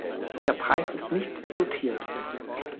Der Preis ist nicht dotiert.